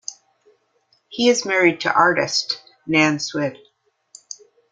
He is married to artist, Nan Swid.